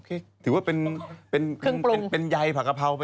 เอื้อแถมภาพ